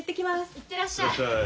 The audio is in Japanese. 行ってらっしゃい。